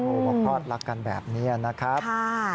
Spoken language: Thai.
พวกพลาดรักกันแบบนี้นะครับ